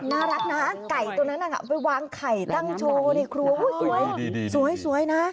น่ารักนะไก่ตัวนั้นไปวางไข่ตั้งโชว์ในครัวสวยสวยนะ